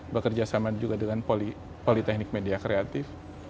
bekerja sama juga dengan politeknik media kreatif